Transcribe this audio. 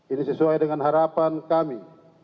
ini sesuai dengan harapan kami